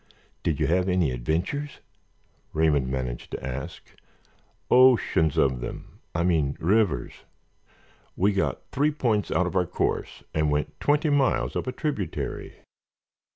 "Did you have any adventures?" Raymond managed to ask. "Oceans of them—I mean rivers. We got three points out of our course and went twenty miles up a tributary."